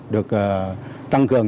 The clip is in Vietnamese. được tăng cường